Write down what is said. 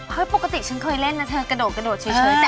เฮ้ยปกติฉันเคยเล่นนะเธอกระโดดเฉย